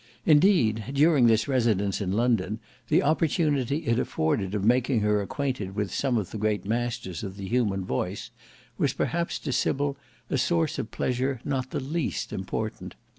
Indeed, during this residence in London, the opportunity it afforded of making her acquainted with some of the great masters of the human voice was perhaps to Sybil a source of pleasure not the least important.